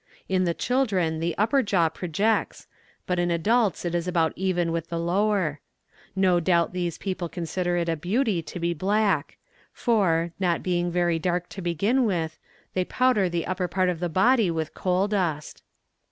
In the children the upper jaw projects, but in adults it is about even with the lower. No doubt these people consider it a beauty to be black; for, not being very dark to begin with, they powder the upper part of the body with coal dust.